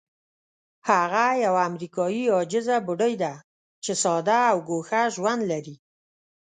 هغه یوه امریکایي عاجزه بوډۍ ده چې ساده او ګوښه ژوند لري.